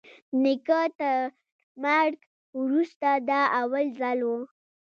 د نيکه تر مرگ وروسته دا اول ځل و.